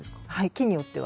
木によっては。